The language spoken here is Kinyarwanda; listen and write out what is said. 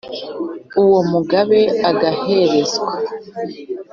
Uwo Mugabe agaherezwa,